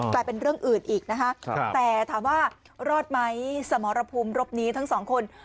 กลายเป็นเรื่องอื่นอีกนะคะแต่ถามว่ารอดไหมสมรภูมิรบนี้ทั้งสองคน